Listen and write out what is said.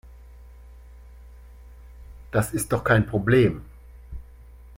Das ist doch kein Problem.